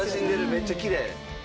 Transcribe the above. めっちゃきれい。